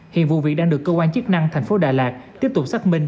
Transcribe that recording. hiện vụ việc đang được cơ quan chức năng thành phố đà lạt tiếp tục xác minh